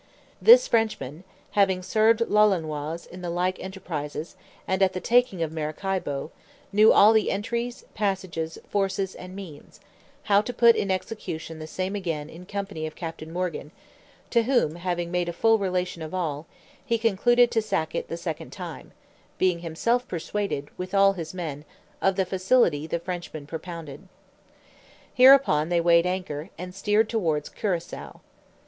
This Frenchman having served Lolonois in the like enterprises, and at the taking of Maracaibo, knew all the entries, passages, forces, and means, how to put in execution the same again in company of Captain Morgan; to whom having made a full relation of all, he concluded to sack it the second time, being himself persuaded, with all his men, of the facility the Frenchman propounded. Hereupon they weighed anchor, and steered towards Curasao.